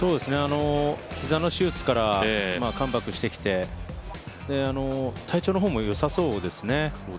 膝の手術からカムバックしてきて体調の方も良さそうですね。